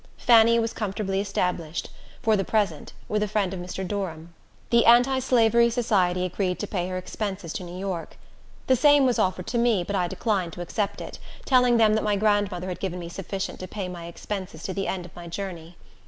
Fanny was comfortably established, for the present, with a friend of Mr. Durham. The Anti Slavery Society agreed to pay her expenses to New York. The same was offered to me, but I declined to accept it, telling them that my grandmother had given me sufficient to pay my expenses to the end of my journey.